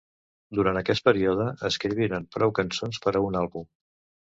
Durant aquest període, escriviren prou cançons per a un àlbum.